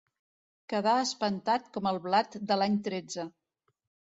Quedar espantat com el blat de l'any tretze.